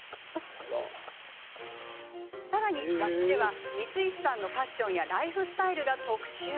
さらに、雑誌では光石さんのファッションやライフスタイルが特集。